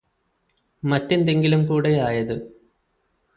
മറ്റെന്തെങ്കിലും കൂടെ ആയത്